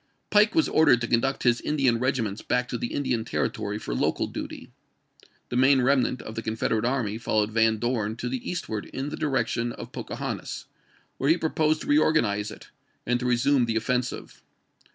Pike was ordered to conduct his Indian regiments back to the Indian Territory for local duty. The main remnant of the Confederate army followed Van Dorn to the eastward in the direction of Poca hontas, where he proposed to reorganize it, and to resume the offensive.